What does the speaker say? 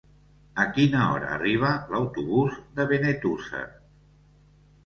A quina hora arriba l'autobús de Benetússer?